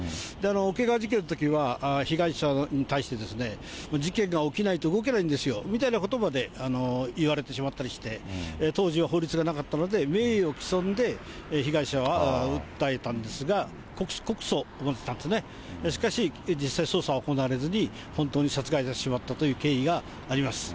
桶川事件のときには被害者に対して事件が起きないと動けないんですよみたいなことまで言われてしまったりして、当時は法律がなかったので、名誉毀損で被害者は訴えたんですが、告訴もしたんですね、しかし、実際捜査は行われずに、本当に殺害されてしまったという経緯があります。